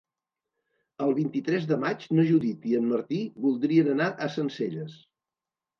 El vint-i-tres de maig na Judit i en Martí voldrien anar a Sencelles.